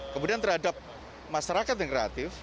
kemudian terhadap masyarakat yang kreatif